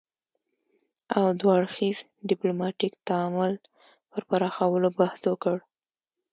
او دوه اړخیز ديپلوماتيک تعامل پر پراخولو بحث وکړ